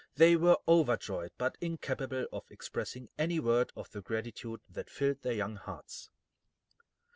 They were overjoyed, but incapable of expressing any word of the gratitude that filled their young hearts.